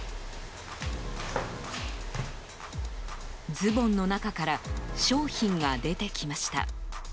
ズボンの中から商品が出てきました。